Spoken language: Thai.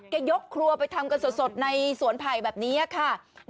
ยกครัวไปทำกันสดในสวนไผ่แบบนี้ค่ะ